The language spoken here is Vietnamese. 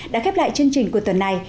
đã khép lại chương trình của tuần này